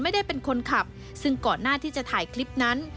ไม่ได้เป็นคนขับซึ่งก่อนหน้าที่จะถ่ายคลิปนั้น